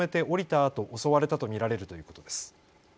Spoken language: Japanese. あと襲われたと見られるということです。